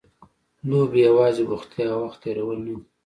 لوبې یوازې بوختیا او وخت تېرول نه دي.